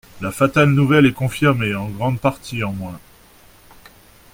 La fatale nouvelle est confirmée, en grande partie en moins.